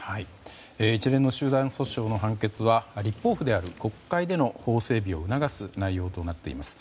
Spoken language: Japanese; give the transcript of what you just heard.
一連の集団訴訟の判決は立法府である国会での法整備を促す内容となっています。